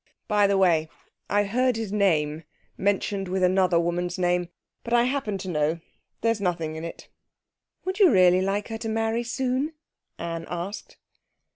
By the way, I've heard his name mentioned with another woman's name. But I happen to know there's nothing in it.' 'Would you really like her to marry soon?' Anne asked.